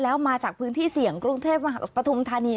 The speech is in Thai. แล้วมาจากพื้นที่เสี่ยงกรุงเทพมหานครปฐุมธานี